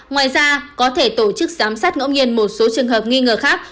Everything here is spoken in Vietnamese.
ngoài ra có thể tổ chức giám sát ngẫu nhiên một số trường hợp nghi ngờ khác